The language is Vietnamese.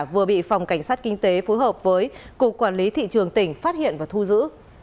vừa bị phòng cảnh sát kinh tế phối hợp với cục quản lý thị trường tỉnh phát hiện và thu giữ